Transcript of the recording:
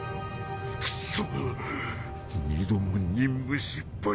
クッソ二度も任務失敗。